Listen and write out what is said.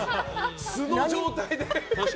素の状態で。